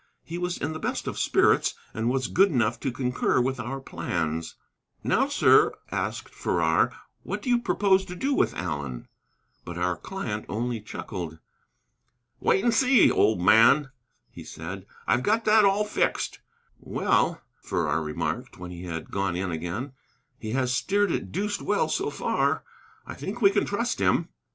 He was in the best of spirits, and was good enough to concur with our plans. "Now, sir," asked Farrar, "what do you propose to do with Allen?" But our client only chuckled. "Wait and see, old man," he said; "I've got that all fixed." "Well," Farrar remarked, when he had gone in again, "he has steered it deuced well so far. I think we can trust him."